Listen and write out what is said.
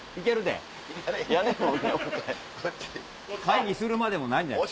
会議するまでもないんじゃない？